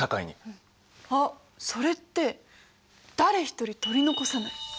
あっそれって「誰一人取り残さない」。